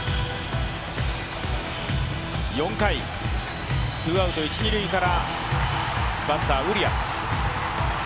４回、ツーアウト一・二塁からバッター・ウリアス。